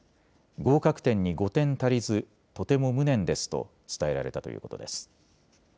合格点に５点足りずとても無念ですと伝えられたということです。